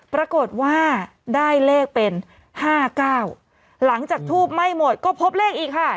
ปรากฏว่าได้เลขเป็น๕๙หลังจากทูบไม่หมดก็พบเลขอีกค่ะ